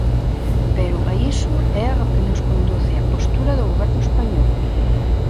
Pero a iso é ao que nos conduce a postura do goberno español.